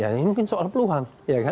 ya ini mungkin soal peluang